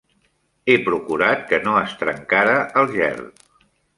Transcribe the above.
He procurat que no es trencara el gel.